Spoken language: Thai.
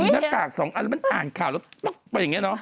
หน้ากาก๒อันแล้วมันอ่านข่าวแล้วไปอย่างนี้เนาะ